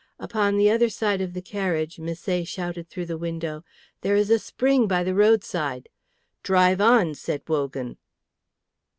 Upon the other side of the carriage, Misset shouted through the window, "There is a spring by the roadside." "Drive on," said Wogan.